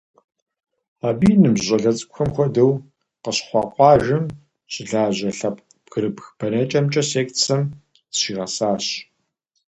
Абы и ныбжь щӏалэ цӏыкӏухэм хуэдэу, къыщыхъуа къуажэм щылажьэ лъэпкъ бгырыпх бэнэкӏэмкӏэ секцэм зыщигъэсащ.